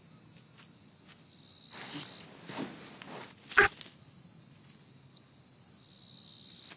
あっ。